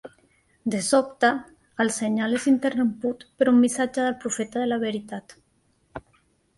De sobte, el senyal és interromput per un missatge del Profeta de la Veritat.